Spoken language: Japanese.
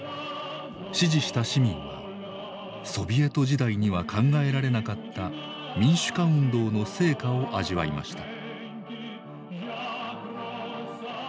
支持した市民はソビエト時代には考えられなかった民主化運動の成果を味わいました。